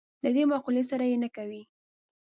له دې مقولې سره یې نه کوي.